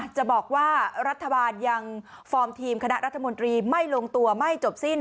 จะบอกว่ารัฐบาลยังฟอร์มทีมคณะรัฐมนตรีไม่ลงตัวไม่จบสิ้น